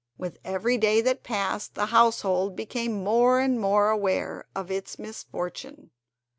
With every day that passed the household became more and more aware of its misfortune.